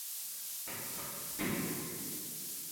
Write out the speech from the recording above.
上层和下层华裔的社会地位区别很大。